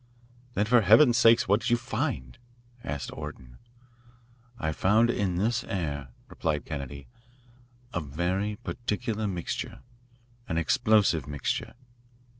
"Then, for Heaven's sake, what did you find?" asked Orton. "I found in this air," replied Kennedy, "a very peculiar mixture an explosive mixture."